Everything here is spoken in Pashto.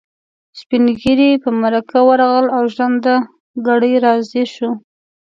سپين ږيري په مرکه ورغلل او ژرنده ګړی راضي شو.